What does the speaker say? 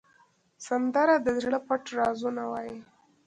سندره د زړه پټ رازونه وایي